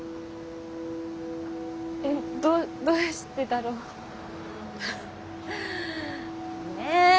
どどうしてだろう？ねぇ。